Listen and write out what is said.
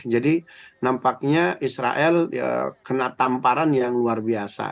jadi nampaknya israel kena tamparan yang luar biasa